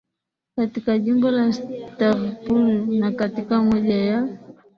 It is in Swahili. katika Jimbo la Stavropol Na katika moja ya